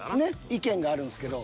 意見があるんですけど。